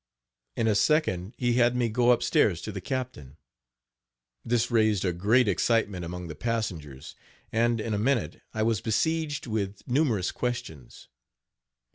In a second he had me go up stairs to the captain. This raised a great excitement among the passengers; and, in a minute, I was besieged with numerous questions.